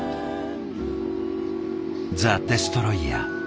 ザ・デストロイヤー。